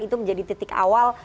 itu menjadi titik awal